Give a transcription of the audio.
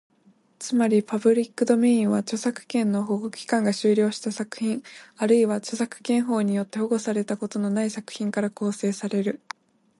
つまり、パブリックドメインは、著作権の保護期間が終了した作品、あるいは著作権法によって保護されたことのない作品から構成される。